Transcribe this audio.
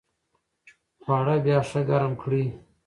خواړه بیا ښه ګرم کړئ.